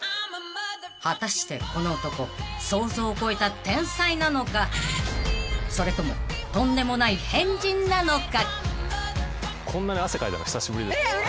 ［果たしてこの男想像を超えた天才なのかそれともとんでもない変人なのか］